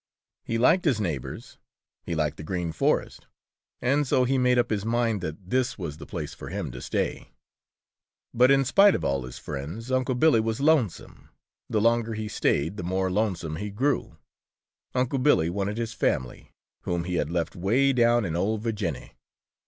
He liked his neighbors, he liked the Green Forest, and so he made up his mind that this was the place for him to stay. But in spite of all his friends, Unc' Billy was lonesome. The longer he stayed, the more lonesome he grew, Unc' Billy wanted his family, whom he had left way down in "Ol' Virginny."